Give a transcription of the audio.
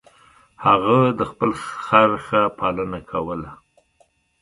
هغه د خپل خر ښه پالنه کوله.